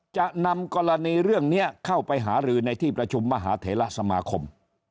จะนำกรณีเรื่องนี้เข้าไปหารือในที่ประชุมมหาเถระสมาคม